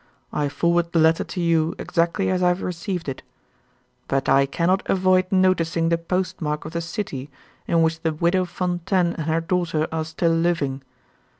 I forward the letter to you exactly as I have received it. But I cannot avoid noticing the postmark of the city in which the Widow Fontaine and her daughter are still living.